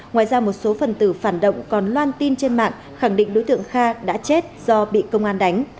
ngoài ra một số phần tử phản động còn loan tin trên mạng khẳng định đối tượng kha đã chết do bị công an đánh